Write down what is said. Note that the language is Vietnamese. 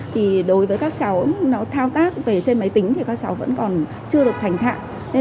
thì đối với các cháu nó thao tác về trên máy tính thì các cháu vẫn còn chưa được thành thạo